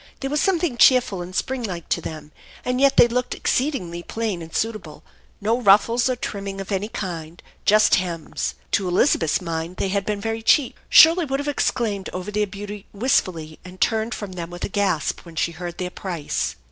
There was something cheer ful and spring like to them, and yet they looked exceedingly plain and suitable, no ruffles or trimming of any kind, just hems. To Elizabeth's mind they had been very cheap. Shirley would have exclaimed over their beauty wistfully and turned from them with a gasp when she heard their price.